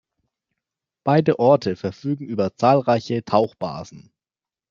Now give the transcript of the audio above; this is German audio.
Beide Orte verfügen über zahlreiche Tauchbasen.